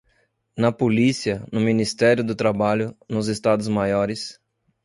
na Policia, no Ministério do Trabalho, nos Estados Maiores